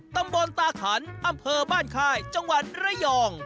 ตำบลตาขันอำเภอบ้านค่ายจังหวัดระยอง